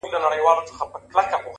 د حقیقت منل د درک پراختیا ده،